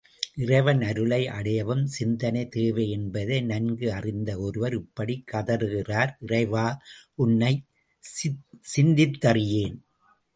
இறைவன் அருளை அடையவும் சிந்தனை தேவை என்பதை நன்கு அறிந்த ஒருவர் இப்படிக் கதறுகிறார்— இறைவா, உன்னை சிந்தித்தறியேன்.